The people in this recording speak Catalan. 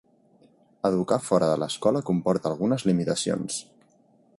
Educar fora de l'escola comporta algunes limitacions.